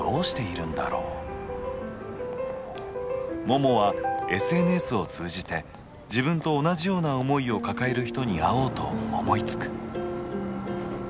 ももはＳＮＳを通じて自分と同じような思いを抱える人に会おうと思いつく。